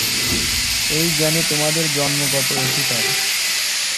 এই জ্ঞানে তোমাদের জন্মগত অধিকার।